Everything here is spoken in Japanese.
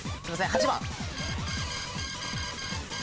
８番！